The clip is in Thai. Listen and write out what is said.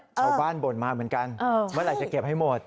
บ่นมาเหมือนกันเมื่อไหร่จะเก็บให้หมด